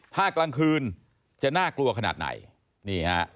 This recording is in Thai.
ถ้ากลางคืนจะน่ากลัวขนาดไหนนี่ฮะ